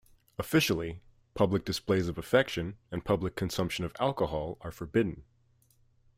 Officially, public displays of affection and public consumption of alcohol are forbidden.